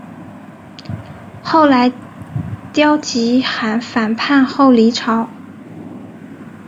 后来刁吉罕反叛后黎朝。